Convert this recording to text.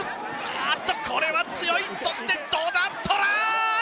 あっとこれは強いそしてどうだ⁉トライ！